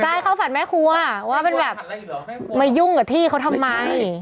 ใช่เข้าฝันแม่ครัวว่าเป็นแบบมายุ่งกับที่เขาทำไม